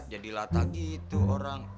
jadi lata gitu orang